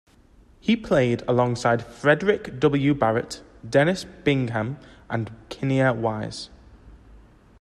He played alongside Frederick W. Barrett, Dennis Bingham and Kinnear Wise.